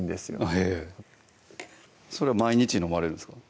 ええそれは毎日飲まれるんですか？